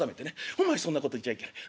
『お前そんなこと言っちゃいけない。